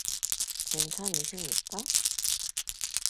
괜찮으십니까?